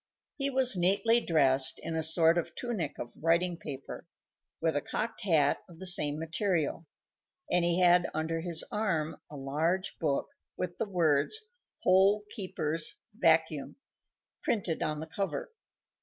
He was neatly dressed in a sort of tunic of writing paper, with a cocked hat of the same material, and he had under his arm a large book, with the words "HOLE KEEPER'S VACUUM" printed on the cover.